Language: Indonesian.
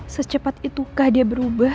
secepat itukah dia berubah